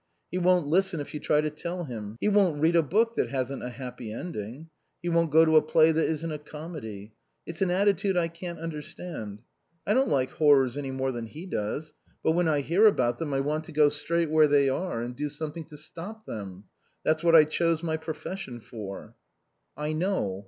He won't listen if you try to tell him. He won't read a book that hasn't a happy ending. He won't go to a play that isn't a comedy... It's an attitude I can't understand. I don't like horrors any more than he does; but when I hear about them I want to go straight where they are and do something to stop them. That's what I chose my profession for." "I know.